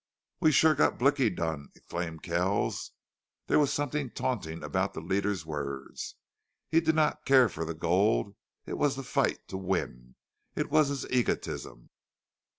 "We've sure got Blicky done!" exclaimed Kells. There was something taunting about the leader's words. He did not care for the gold. It was the fight to win. It was his egotism.